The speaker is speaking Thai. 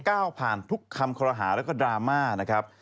ก้าวผ่านทุกคำคอรหาแล้วก็ดราม่านะครับ